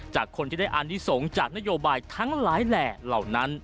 จากคนที่ได้อานิสงฆ์จากนโยบายทั้งหลายแหล่เหล่านั้น